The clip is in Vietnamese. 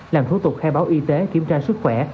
làm thủ tục khai báo y tế kiểm tra sức khỏe